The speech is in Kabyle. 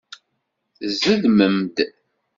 Tezdmem-d.